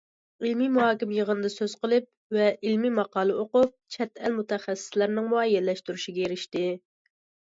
ئىلمىي مۇھاكىمە يىغىنىدا سۆز قىلىپ ۋە ئىلمىي ماقالە ئوقۇپ چەت ئەل مۇتەخەسسىسلىرىنىڭ مۇئەييەنلەشتۈرۈشىگە ئېرىشتى.